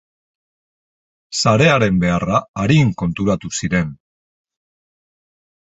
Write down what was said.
Sarearen beharra arin konturatu ziren.